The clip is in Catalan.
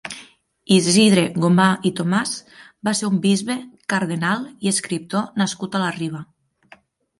Isidre Gomà i Tomàs va ser un bisbe, cardenal i escriptor nascut a la Riba.